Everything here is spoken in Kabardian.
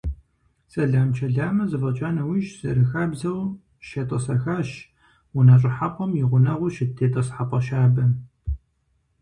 Сэлам-чэламыр зэфӀэкӀа нэужь, зэрахабзэу, щетӀысэхащ унэ щӀыхьэпӀэм и гъунэгъуу щыт тетӀысхьэпӏэ щабэм.